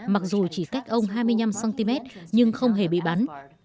mặc dù chỉ cách ông hai mươi năm cm nhưng không hề bị bắn